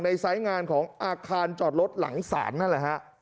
ในสายงานของอาคารจอดรถหลังศาล